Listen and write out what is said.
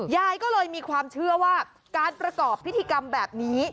ยายก็เลยมีความเชื่อว่าการประกอบพิธีกรรมแบบนี้